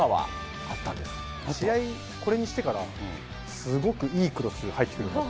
試合、これにしてから、すごくいいクロス入ってくるようになって。